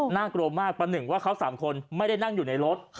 น่ากลัวมากประหนึ่งว่าเขา๓คนไม่ได้นั่งอยู่ในรถ